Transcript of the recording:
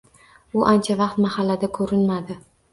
U ancha vaqt mahallada ko'rinmadi.